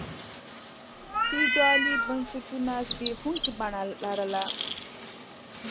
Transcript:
فیوډالي بنسټونو زبېښونکي بڼه لرله.